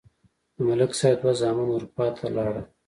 د ملک صاحب دوه زامن اروپا ته لاړل.